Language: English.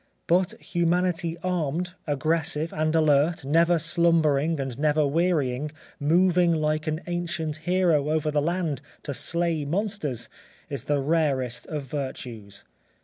But humanity armed, aggressive, and alert, never slumbering and never wearying, moving like an ancient hero over the land to slay monsters, is the rarest of virtues."